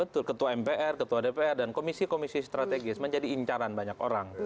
betul ketua mpr ketua dpr dan komisi komisi strategis menjadi incaran banyak orang